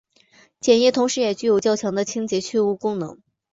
碱液同时也具有较强的清洁去污功能。